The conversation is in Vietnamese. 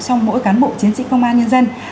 trong mỗi cán bộ chiến sĩ công an nhân dân